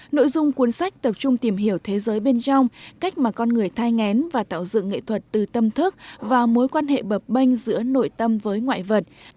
nội dung cuốn sách tập trung tìm hiểu thế giới bên trong cách mà con người thai ngén và tạo dựng nghệ thuật từ tâm thức và mối quan hệ bập bênh giữa nội tâm với ngoại vật